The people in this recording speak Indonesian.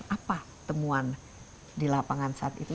apa temuan di lapangan saat itu